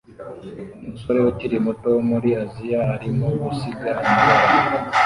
Umusore ukiri muto wo muri Aziya arimo gusiga amabara